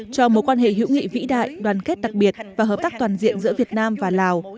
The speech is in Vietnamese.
cho mối quan hệ hữu nghị vĩ đại đoàn kết đặc biệt và hợp tác toàn diện giữa việt nam và lào